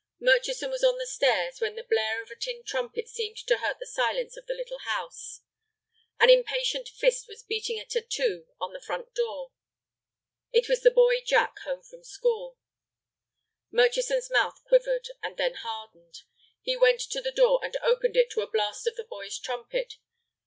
Murchison was on the stairs when the blare of a tin trumpet seemed to hurt the silence of the little house. An impatient fist was beating a tattoo on the front door. It was the boy Jack come home from school. Murchison's mouth quivered, and then hardened. He went to the door, and opened it to a blast of the boy's trumpet.